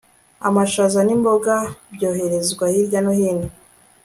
amashaza nimboga byoherezwa hirya no hino